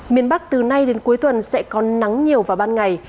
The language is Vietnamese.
miền bắc từ nay đến cuối tuần sẽ có nắng nhiều vào ban ngày